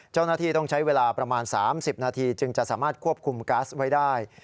เจ้าหน้าที่ต้องใช้เวลาประมาณ๓๐นาทีจึงจะสามารถควบคุมก๊าซไว้ได้